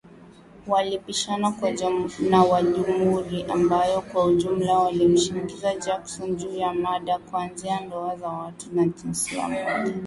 Walipishana na wa jamuhuri ambao kwa ujumla walimshinikiza Jackson, juu ya mada kuanzia ndoa za watu wa jinsia moja